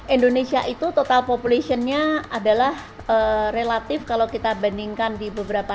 indonesia itu total populationnya adalah relatif kalau kita bandingkan di beberapa